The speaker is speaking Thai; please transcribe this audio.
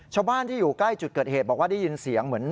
ชาวบ้านที่อยู่ใกล้จุดเกิดเหตุบอกว่าได้ยินเสียงเหมือน